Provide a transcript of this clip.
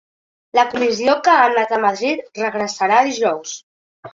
La comissió que ha anat a Madrid regressarà dijous.